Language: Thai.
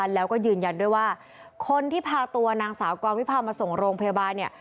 พี่ได้ยื่นยันคนที่พาตัวนางสาวกรรมพี่พามาส่งโรงพยาบาล